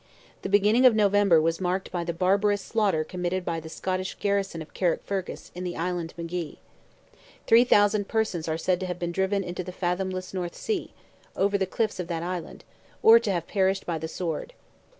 The beginning of November was marked by the barbarous slaughter committed by the Scottish garrison of Carrickfergus in the Island Magee. Three thousand persons are said to have been driven into the fathomless north sea, over the cliffs of that island, or to have perished by the sword.